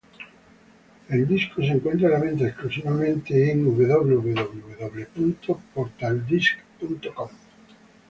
El disco se encuentra a la venta exclusivamente en www.portaldisc.com.